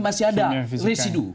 masih ada residu